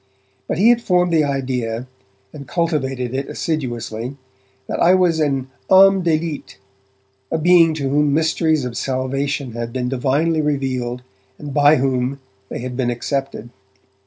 But he had formed the idea, and cultivated it assiduously, that I was an ame d'elite, a being to whom the mysteries of salvation had been divinely revealed and by whom they had been accepted.